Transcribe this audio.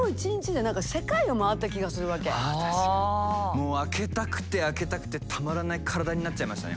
もう開けたくて開けたくてたまらない体になっちゃいましたね。